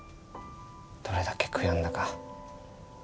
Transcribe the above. どれだけ悔やんだか。